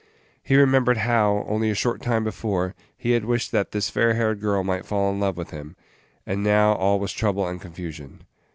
He remembered how, only a short time before, he had wished that this fair haired girl might fall in love with him, and now all was trouble and confusion.